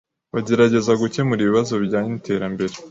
bagerageza gukemura ibibazo bijyanye n’iterambere